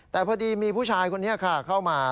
แต่พอดีมีผู้ชายคนนี้ค่ะเข้ามา